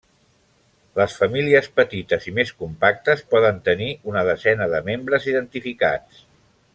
Les famílies petites i més compactes poden tenir una desena de membres identificats.